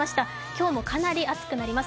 今日もかなり暑くなります。